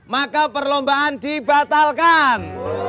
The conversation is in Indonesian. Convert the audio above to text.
maka perlombaan dibatalkan